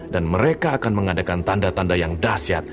dan mereka akan mengadakan tanda tanda yang dahsyat